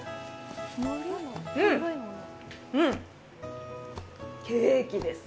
うん、うん、ケーキです。